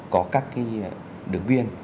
có các cái đường viên